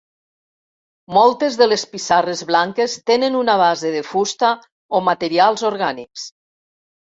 Moltes de les pissarres blanques tenen una base de fusta o materials orgànics.